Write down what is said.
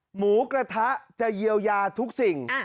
หมูกระทะจะเยียวยาทุกสิ่ง